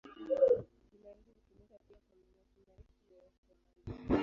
Jina hili hutumika pia kwa manyasi marefu yoyote ya maji.